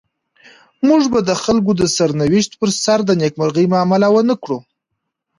موږ به د خلکو د سرنوشت پر سر د نيکمرغۍ معامله ونلرو.